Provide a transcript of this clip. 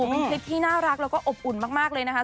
เป็นคลิปที่น่ารักแล้วก็อบอุ่นมากเลยนะคะ